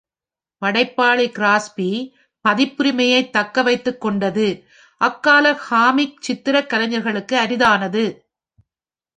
படைப்பாளி கிராஸ்பி பதிப்புரிமையைத் தக்க வைத்துக்கொண்டது அக்கால காமிக் சித்திரக் கலைஞர்களுக்கு அரிதானது.